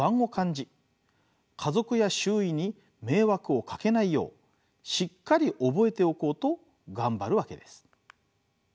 家族や周囲に迷惑をかけないようしっかり覚えておこうと頑張るわけです。